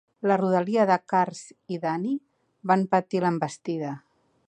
La rodalia de Kars i d'Ani van patir l'envestida.